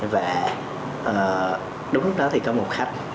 và đúng lúc đó thì có một khách